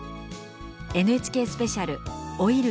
「ＮＨＫスペシャル老いる